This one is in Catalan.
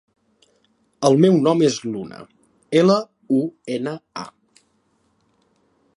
El meu nom és Luna: ela, u, ena, a.